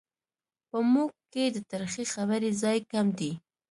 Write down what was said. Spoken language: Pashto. په موږ کې د ترخې خبرې ځای کم دی.